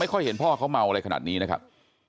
ค่อยเห็นพ่อเขาเมาอะไรขนาดนี้นะครับ